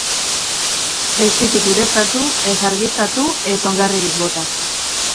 Ez ditu ureztatu, ez argiztatu, ez ongarririk bota.